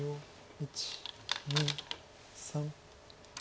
１２３。